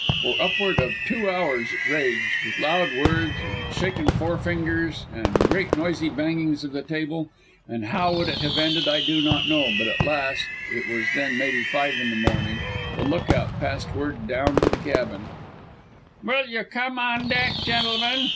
For upward of two hours it raged, with loud words and shaken forefingers, and great noisy bangings of the table, and how it would have ended I do not know, but at last it was then maybe five in the morning the lookout passed word down to the cabin: "Will you come on deck, gentlemen?"